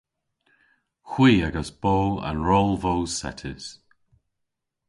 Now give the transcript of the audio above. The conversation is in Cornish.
Hwi a'gas bo an rol voos settys.